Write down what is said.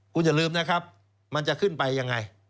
คุณอย่าลืมนะครับมันจะขึ้นไปยังไง